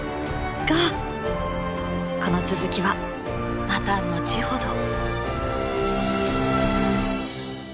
がこの続きはまた後ほど！